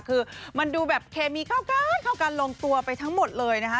คือมันดูแบบเคมีเข้ากันเข้ากันลงตัวไปทั้งหมดเลยนะคะ